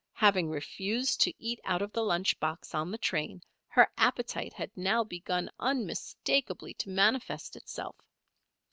Having refused to eat out of the lunch box on the train, her appetite had now begun unmistakably to manifest itself.